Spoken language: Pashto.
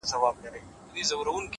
ستا د پښې پايزيب مي تخنوي گلي ـ